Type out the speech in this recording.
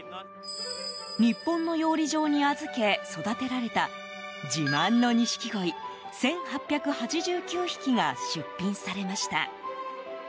日本の養鯉場に預け育てられた自慢の錦鯉１８８９匹が出品されました。